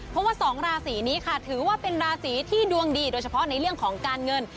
เพราะว่าสองราศีนี้ค่ะถือว่าเป็นราศีที่ดวงดีโดยเฉพาะในเรื่องของการเงิน